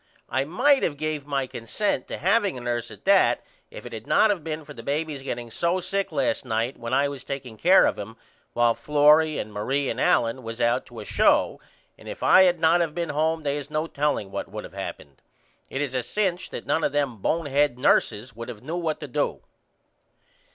I might of gave my consent to having a nurse at that if it had not of been for the baby getting so sick last night when I was takeing care of him while Florrie and Marie and Allen was out to a show and if I had not of been home they is no telling what would of happened. It is a cinch that none of them bonehead nurses would have knew what to do.